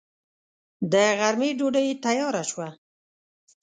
د غرمې ډوډۍ تياره شوه.